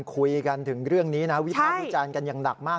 คุยกันถึงเรื่องนี้นะวิภาควิจารณ์กันอย่างหนักมาก